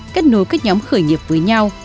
kết nối các nhóm khởi nghiệp với nhau